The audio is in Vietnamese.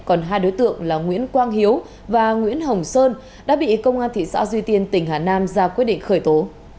còn hai đối tượng là nguyễn quang hiếu và nguyễn hồng sơn đã bị công an thị xã duy tiên tỉnh hà nam ra quyết định khởi tố